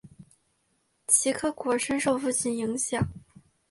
齐克果深受父亲影响。